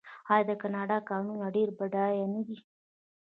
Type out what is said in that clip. آیا د کاناډا کانونه ډیر بډایه نه دي؟